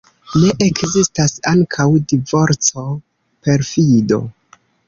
Ne ekzistas ankaŭ divorco, perfido.